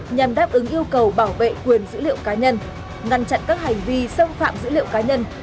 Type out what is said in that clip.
nhằm đáp ứng yêu cầu bảo vệ quyền dữ liệu cá nhân ngăn chặn các hành vi xâm phạm dữ liệu cá nhân